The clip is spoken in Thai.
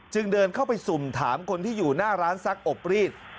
เดินเข้าไปสุ่มถามคนที่อยู่หน้าร้านซักอบรีด